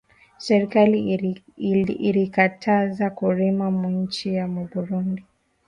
Serkali arikataza kurima mu inchi ya burundi